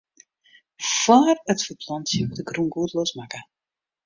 Fóár it ferplantsjen wurdt de grûn goed losmakke.